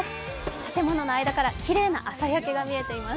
建物の間からきれいな朝焼けが見えています。